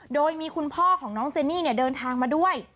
โดยมีคุณพ่อของน้องเจนี่เดินทางมาด้วย